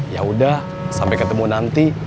ya udah sampai ketemu nanti